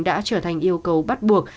đã trở thành yêu cầu bắt buộc